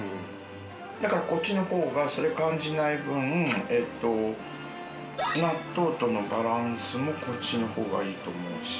だからこっちの方がそれ感じない分納豆とのバランスもこっちの方がいいと思うし。